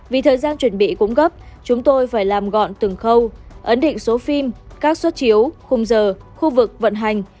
vì thời gian chuẩn bị cũng gấp chúng tôi phải làm gọn từng khâu ấn định số phim các suất chiếu khung giờ khu vực vận hành